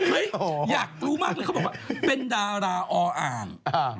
เห้ยยอยากรู้อ่ะเค้าบอกว่าเป็นดาราอ๋อ่าง